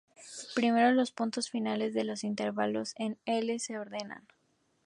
Primero, los puntos finales de los intervalos en "I" se ordenan.